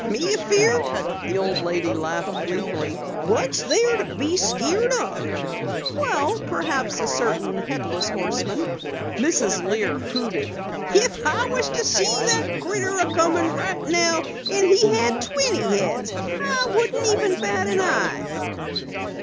"Me afeared?" the old lady laughed gleefully. "What's there to be skeared of?" "Well perhaps a certain Headless Horseman." Mrs. Lear hooted. "If I was to see that critter a comin' right now and he had twenty heads, I wouldn't even bat an eye!"